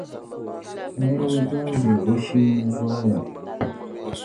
Niriba bɛn be o shee ni zooiya.